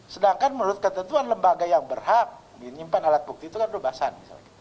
sedangkan menurut ketentuan lembaga yang berhak menyimpan alat bukti itu kan bebasan